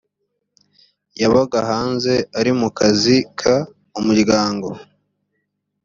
yabaga hanze ari mu kazi k umuryango